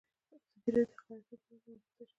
ازادي راډیو د اقلیتونه پر وړاندې یوه مباحثه چمتو کړې.